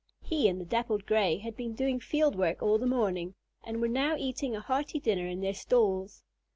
He and the Dappled Gray had been doing field work all the morning, and were now eating a hearty dinner in their stalls.